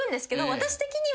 私的には。